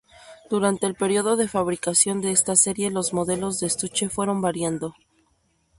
Durante el período de fabricación de esta serie los modelos de estuche fueron variando.